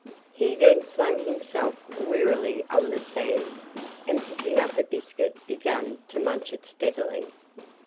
He then flung himself wearily on the sand, and picking up a biscuit began to munch it steadily.